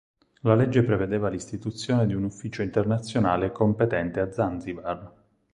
La legge prevedeva l'istituzione di un ufficio internazionale competente a Zanzibar.